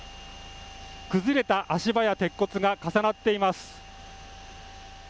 崩れた足場や鉄骨が重なっています。